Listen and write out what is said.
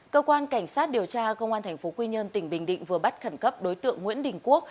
cơ quan cảnh sát điều tra công an tp quy nhơn tỉnh bình định vừa bắt khẩn cấp đối tượng nguyễn đình quốc